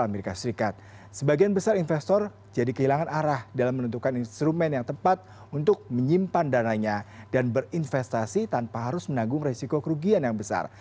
amerika serikat sebagian besar investor jadi kehilangan arah dalam menentukan instrumen yang tepat untuk menyimpan dananya dan berinvestasi tanpa harus menanggung resiko kerugian yang besar